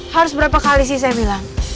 harus berapa kali sih saya bilang